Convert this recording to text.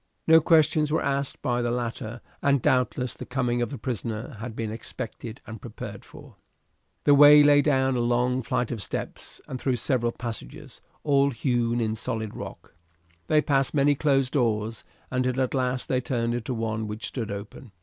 No questions were asked by the latter, and doubtless the coming of the prisoner had been expected and prepared for. The way lay down a long flight of steps and through several passages, all hewn in the solid rock. They passed many closed doors, until at last they turned into one which stood open.